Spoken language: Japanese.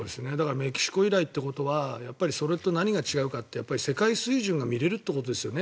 メキシコ以来ということはそれと何が違うかって、世界水準が見れるということですよね。